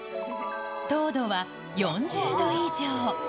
糖度は４０度以上。